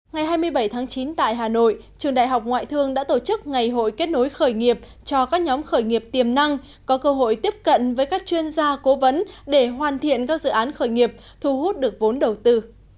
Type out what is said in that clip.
ngày hai mươi bảy tháng chín tại hà nội trường đại học ngoại thương đã tổ chức ngày hội kết nối khởi nghiệp cho các nhóm khởi nghiệp tiềm năng có cơ hội tiếp cận với các chuyên gia cố vấn để hoàn thiện các dự án khởi nghiệp thu hút được vốn đầu tư